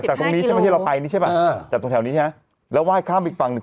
จากตรงแถวนี้ใช่ป่ะจากตรงแถวนี้ใช่ป่ะแล้วไหว้ข้ามไปอีกฝั่งหนึ่ง